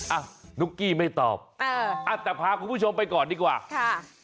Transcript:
อ่ะนุ๊กกี้ไม่ตอบเอออ่ะแต่พาคุณผู้ชมไปก่อนดีกว่าค่ะ